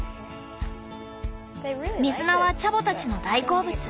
水菜はチャボたちの大好物。